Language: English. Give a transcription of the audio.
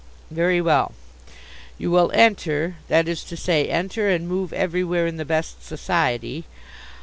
"Very well. You will enter, that is to say, enter and move everywhere in the best society.